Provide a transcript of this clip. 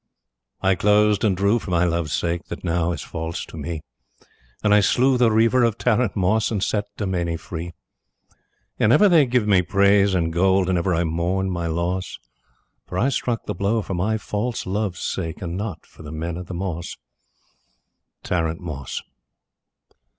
I closed and drew for my love's sake, That now is false to me, And I slew the Riever of Tarrant Moss, And set Dumeny free. And ever they give me praise and gold, And ever I moan my loss, For I struck the blow for my false love's sake, And not for the men at the Moss. Tarrant Moss.